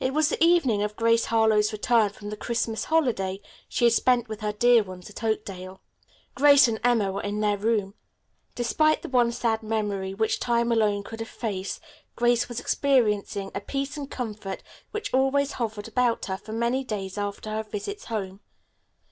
It was the evening of Grace Harlowe's return from the Christmas holiday she had spent with her dear ones at Oakdale. Grace and Emma were in their room. Despite the one sad memory which time alone could efface, Grace was experiencing a peace and comfort which always hovered about her for many days after her visits home.